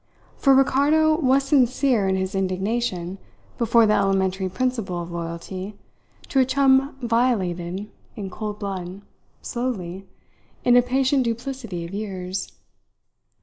For Ricardo was sincere in his indignation before the elementary principle of loyalty to a chum violated in cold blood, slowly, in a patient duplicity of years.